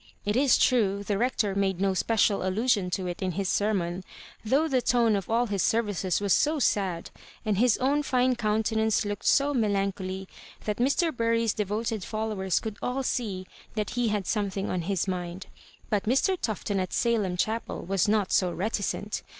It is true, the Bector made no special allusion to it in his ser mon, though the tone of all his services was so sad, and his own fine countenance looked so melancholy, that Mr. Bury's deyoted followers oould all see that he had something on his mind. But Mr. Tufton at Salem Ohapel was not so reti cent.